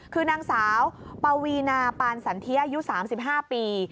คือนางสาวปวีนาปานสันเทียอายุ๓๕ปี